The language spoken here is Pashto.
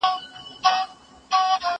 که باران وشي، زه به پاتې شم؟!